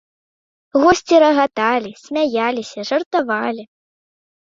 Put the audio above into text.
Госці рагаталі, смяяліся, жартавалі.